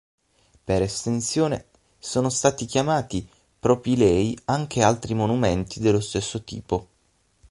Per estensione sono stati chiamati propilei anche altri monumenti dello stesso tipo.